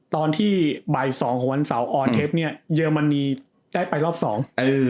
ตอนที่บ่ายสองของวันเสาร์ออนเทปเนี้ยเยอรมนีได้ไปรอบสองเออ